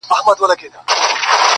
خو ذهنونه زخمي پاتې وي ډېر-